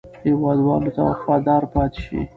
هېواد ته وفادار پاتې شئ.